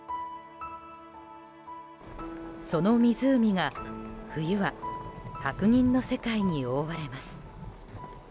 その湖が冬は白銀の世界に覆われます。